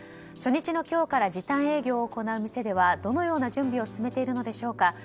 初日の今日から時短営業を行う店ではどのような準備を進めているのでしょうか。